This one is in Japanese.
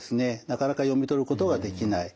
なかなか読み取ることができない。